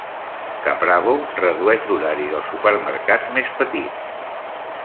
Caprabo redueix l'horari dels supermercats més petits